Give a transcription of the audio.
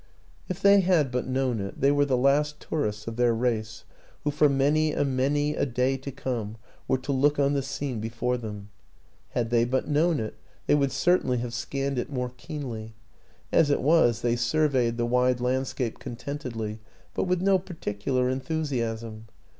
If they had but known it, they were the last tourists of their race who for many and many a day to come were to look on the scene before them. Had they but known it, they would cer tainly have scanned it more keenly; as it was, they surveyed the wide landscape contentedly, but with no particular enthusiasm.